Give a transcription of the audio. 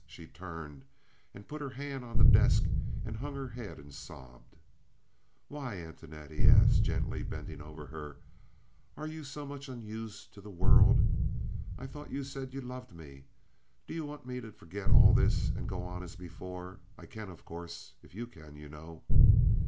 She turned and put her hand on the desk and hung her head and sobbed. "Why, Antoinette," he asked, gently, bending over her, "are you so much unused to the world? I thought you said you loved me. Do you want me to forget all this and go on as before? I can, of course, if you can, you know."